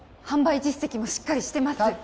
販売実績もしっかりしてます